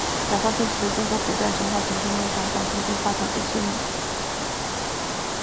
百花仙子是中国古代神话传说中掌管天地花草的仙女。